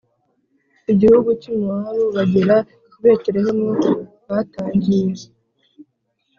igihugu cy i Mowabu bagera i Betelehemu batangiye